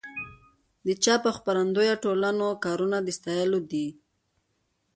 د چاپ او خپرندویه ټولنو کارونه د ستایلو دي.